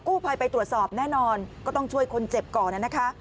กู้ภัยไปตรวจสอบแน่นอนก็ต้องช่วยคนเจ็บก่อนนะคะ